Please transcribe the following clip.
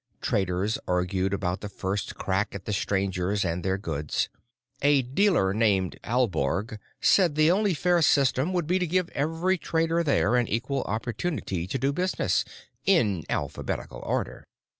Traders argued about the first crack at the strangers and their goods. A dealer named Aalborg said the only fair system would be to give every trade there an equal opportunity to do business—in alphabetical order.